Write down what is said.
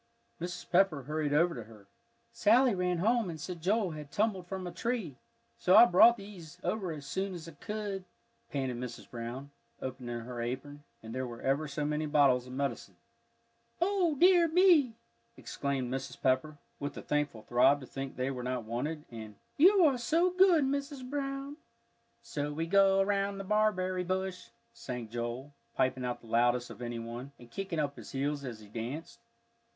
Mrs. Pepper hurried over to her. "Sally ran home and said Joel had tumbled from a tree, so I brought these over as soon's I could," panted Mrs. Brown, opening her apron, and there were ever so many bottles of medicine. "O dear me!" exclaimed Mrs. Pepper, with a thankful throb to think they were not wanted, and, "You are so good, Mrs. Brown." "So we go round the barberry bush," sang Joel, piping out the loudest of any one, and kicking up his heels as he danced.